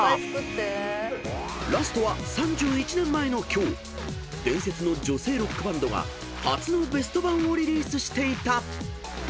［ラストは３１年前の今日伝説の女性ロックバンドが初のベスト盤をリリースしていた］